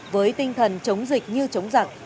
với tinh thần chống dịch như chống giặc